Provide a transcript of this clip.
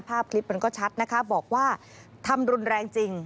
ภาพคลิปมันก็ชัดนะคะบอกว่าทำรุนแรงจริง